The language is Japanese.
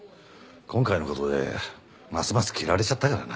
今回の事でますます嫌われちゃったからな。